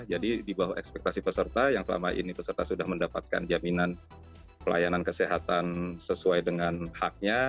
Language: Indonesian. jadi di bawah ekspektasi peserta yang selama ini peserta sudah mendapatkan jaminan pelayanan kesehatan sesuai dengan haknya